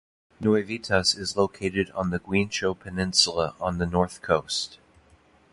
Nuevitas is located on the Guincho peninsula on the north coast.